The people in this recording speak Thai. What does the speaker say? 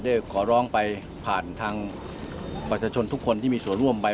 ได้ขอร้องไปผ่านทางประชาชนทุกคนที่มีส่วนร่วมไป